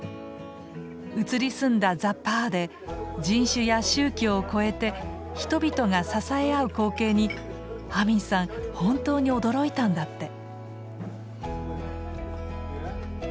移り住んだザ・パーで人種や宗教を超えて人々が支え合う光景にアミンさん本当に驚いたんだって。